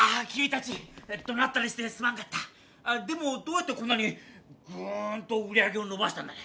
あでもどうやってこんなにグーンと売り上げをのばしたんだね？